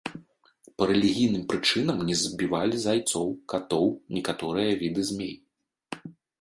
Па рэлігійным прычынам не забівалі зайцоў, катоў, некаторыя віды змей.